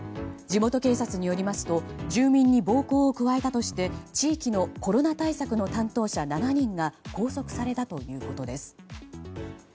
地元警察によりますと住民に暴行を加えたとして地域のコロナ対策の担当者７人が拘束されたということです。